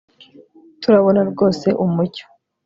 turabona rwose umucyo